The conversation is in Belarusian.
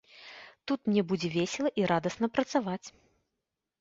Тут мне будзе весела і радасна працаваць.